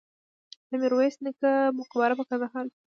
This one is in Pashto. د میرویس نیکه مقبره په کندهار کې ده